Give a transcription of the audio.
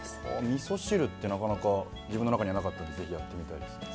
みそ汁ってなかなか自分の中にはなかったんで是非やってみたいですね。